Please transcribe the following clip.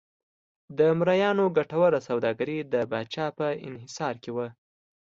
د مریانو ګټوره سوداګري د پاچا په انحصار کې وه.